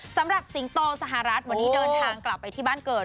สิงโตสหรัฐวันนี้เดินทางกลับไปที่บ้านเกิด